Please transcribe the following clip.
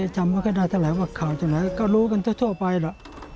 จำก็ได้เท่าไหร่ว่าขาวเท่าไหร่ก็รู้กันทั่วไปล่ะ